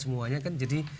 semuanya kan jadi